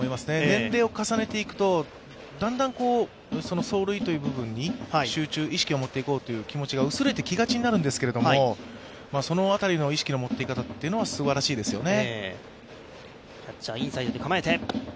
年齢を重ねていくとだんだん走塁という部分に集中、意識を持っていこうという気持ちが薄れていきがちになるんですけど、その辺りの意識の持っていき方はすばらしいですよね。